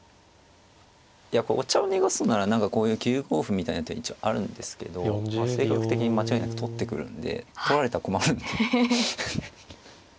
お茶を濁すなら何かこういう９五歩みたいな手一応あるんですけど性格的に間違いなく取ってくるんで取られたら困る。